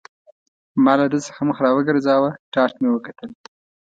ما له ده څخه مخ را وګرځاوه، ټاټ مې وکتل.